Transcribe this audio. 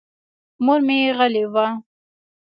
مور مې غلې وه.